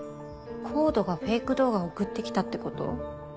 ＣＯＤＥがフェイク動画を送ってきたってこと？